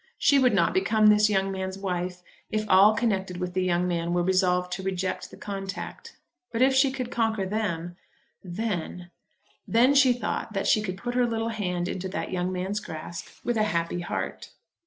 She would not become this young man's wife if all connected with the young man were resolved to reject the contact. But if she could conquer them, then, then she thought that she could put her little hand into that young man's grasp with a happy heart.